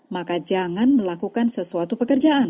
maka jangan melakukan sesuatu pekerjaan